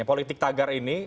politik tagar ini